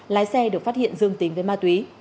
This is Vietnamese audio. lái xe được phát hiện dương tính với ma túy